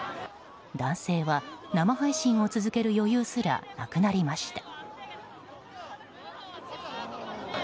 男性は、生配信を続ける余裕すらなくなりました。